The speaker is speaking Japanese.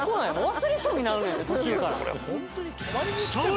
忘れそうになるねん途中から。